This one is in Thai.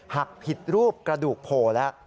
หักผิดรูปกระดูกโผล่แล้ว